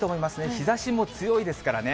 日ざしも強いですからね。